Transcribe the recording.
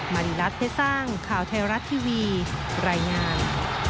รีรัฐเพชรสร้างข่าวไทยรัฐทีวีรายงาน